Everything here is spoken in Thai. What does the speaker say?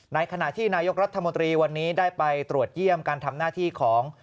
ในขณะที่นายกรัฐมนตรีวันนี้ได้ไปตรวจเยี่ยมการทำหน้าที่ของ